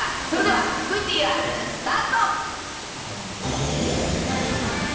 それではＶＴＲスタート。